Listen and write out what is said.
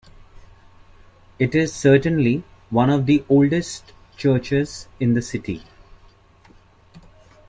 It is certainly one of the oldest churches in the city.